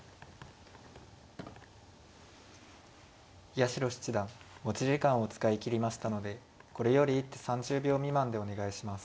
八代七段持ち時間を使い切りましたのでこれより一手３０秒未満でお願いします。